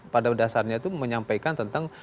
pada dasarnya itu menyampaikan tentang